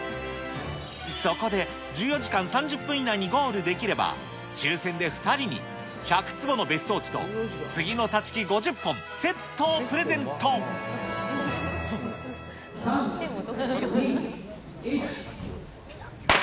そこで、１４時間３０分以内にゴールできれば、抽せんで２人に１００坪の別荘地とスギの立ち木５０本セットをプ３、２、１。